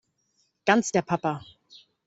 Ganz der Papa!